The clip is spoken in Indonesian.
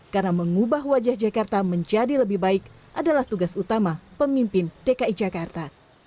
karena mengubah wajah jakarta menjadi lebih baik adalah tugas utama pemimpin dki jakarta